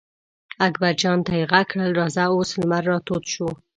اکبر جان ته یې غږ کړل: راځه اوس لمر را تود شو.